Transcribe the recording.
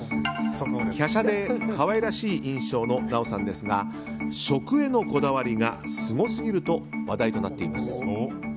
華奢でかわいらしい印象の奈緒さんですが食へのこだわりがすごすぎると話題となっています。